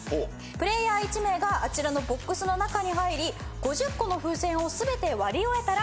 プレーヤー１名があちらのボックスの中に入り５０個の風船を全て割り終えたらクリアです。